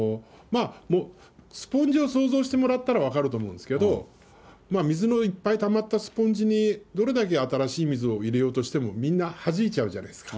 スポンジを想像してもらったら分かると思うんですけど、水のいっぱいたまったスポンジにどれだけ新しい水を入れようとしても、みんなはじいちゃうじゃないですか。